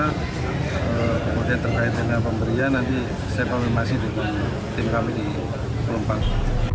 kemudian terkait dengan pemberian nanti saya konfirmasi dengan tim kami di pelumpang